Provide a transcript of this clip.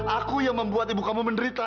aku yang membuat ibu kamu menderita